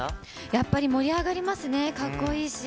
やっぱり盛り上がりますね、かっこいいし。